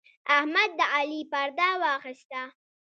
احمد د علي پرده واخيسته.